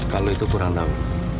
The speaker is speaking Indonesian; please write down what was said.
kalau itu kurang tahu